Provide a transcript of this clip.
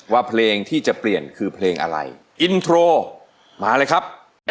ว่าเพลงที่จะเปลี่ยนคือเพลงอะไรอินโทรมาเลยครับ